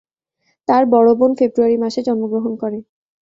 তার বড় বোন ফেব্রুয়ারি মাসে জন্মগ্রহণ করে।